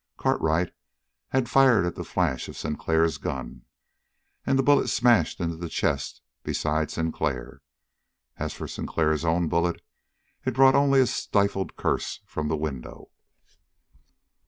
Cartwright had fired at the flash of Sinclair's gun, and the bullet smashed into the chest beside Sinclair. As for Sinclair's own bullet, it brought only a stifled curse from the window.